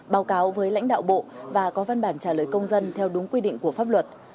báo cáo với lãnh đạo bộ và có văn bản trả lời công dân theo đúng quy định của pháp luật